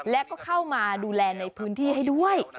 และก็เข้ามาดูแลในพื้นที่ให้ด้วย